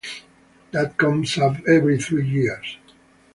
That comes up every three years.